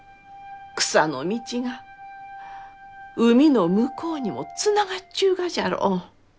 草の道が海の向こうにもつながっちゅうがじゃろう？